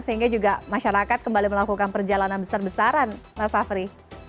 sehingga juga masyarakat kembali melakukan perjalanan besar besaran mas afri